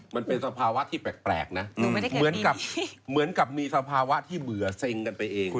มันเป็นสภาวะที่แปลกนะเหมือนกับมีสภาวะที่เหมือเซ็งกันไปเอง